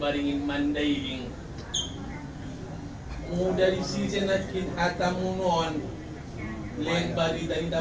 saya ingin menerima salam kepada raja raja